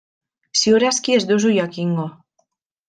Ziur aski ez duzu jakingo.